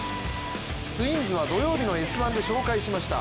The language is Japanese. ツインズは土曜日の「Ｓ☆１」で紹介しました